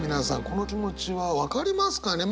この気持ちは分かりますかね？